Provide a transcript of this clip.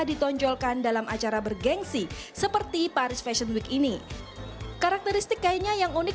ditonjolkan dalam acara bergensi seperti paris fashion week ini karakteristik kainnya yang unik